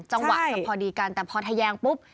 จังหวะจะพอดีกันแต่พอทะแยงปุ๊บ